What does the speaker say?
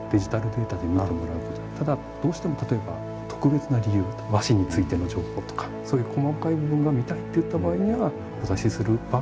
ただどうしても例えば特別な理由和紙についての情報とかそういう細かい部分が見たいといった場合にはお出しする場合もあると思いますね。